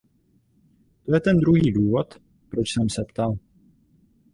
To je ten druhý důvod, proč jsem se ptal.